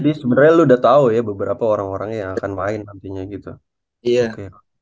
di sebelah lu udah tahu ya beberapa orang orang yang akan main nantinya gitu iya oke